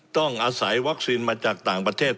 ต้องอาศัยวัคซีนมาจากต่างประเทศ